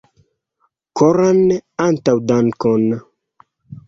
Koran antaŭdankon!